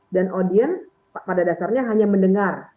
dan audiens pada dasarnya hanya mendengar